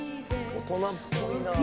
大人っぽいなあ。